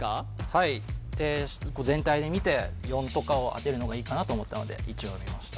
はい全体で見て４とかを当てるのがいいかなと思ったので１を選びました